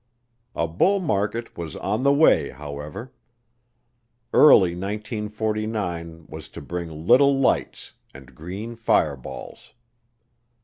A bull market was on the way, however. Early 1949 was to bring "little lights" and green fireballs.